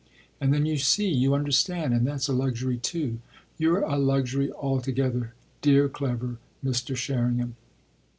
And then you see, you understand, and that's a luxury too. You're a luxury altogether, dear clever Mr. Sherringham.